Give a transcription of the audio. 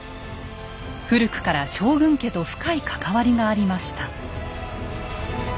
古くから将軍家と深い関わりがありました。